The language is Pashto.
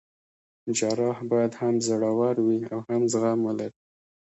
جراح باید هم زړه ور وي او هم زغم ولري.